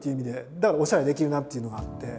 だからおしゃれできるなっていうのがあって。